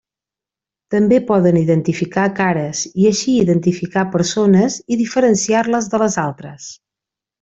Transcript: També poden identificar cares i així identificar persones i diferenciar-les de les altres.